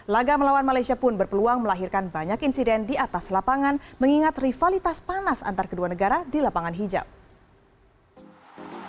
laga melawan malaysia pun berpeluang melahirkan banyak insiden di atas lapangan mengingat rivalitas panas antar kedua negara di lapangan hijau